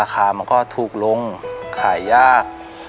ขายยาก